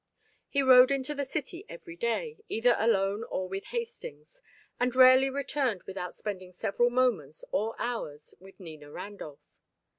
He rode into the city every day, either alone or with Hastings, and rarely returned without spending several moments or hours with Nina Randolph.